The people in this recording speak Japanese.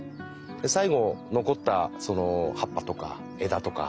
で最後残ったその葉っぱとか枝とか。